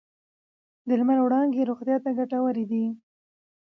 د لمر وړانګې روغتیا ته ګټورې دي.